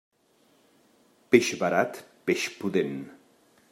Peix barat, peix pudent.